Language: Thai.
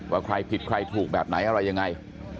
ว่าใครผิดใครถูกแบบไหนอะไรยังไง